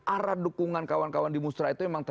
arah dukungan kawan kawan di musra itu emang ter